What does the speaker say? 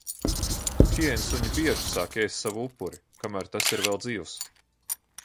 Hiēnsuņi bieži sāk ēst savu upuri, kamēr tas ir vēl dzīvs.